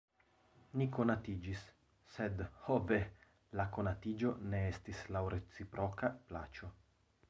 Ni konatiĝis, sed ho ve! la konatiĝo ne estis laŭ reciproka plaĉo.